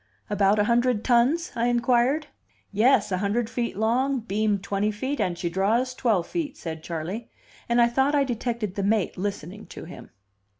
"About a hundred tons?" I inquired. "Yes. A hundred feet long, beam twenty feet, and she draws twelve feet," said Charley; and I thought I detected the mate listening to him.